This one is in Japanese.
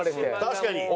確かに。